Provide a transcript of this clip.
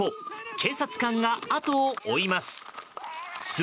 警察官が後を追います。